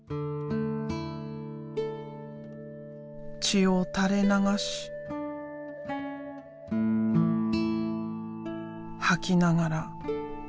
血を垂れ流し吐きながら。